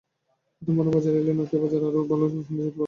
নতুন পণ্য বাজারে এলে নকিয়া বাজারে আরও ভালো অবস্থানে যেতে পারে।